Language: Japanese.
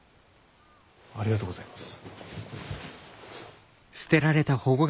ありがとうございます。